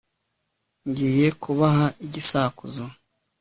ngiye kubaha igisakuzo